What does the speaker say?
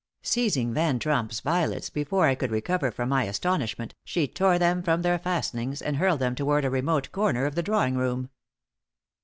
Seizing Van Tromp's violets, before I could recover from my astonishment, she tore them from their fastenings, and hurled them toward a remote corner of the drawing room.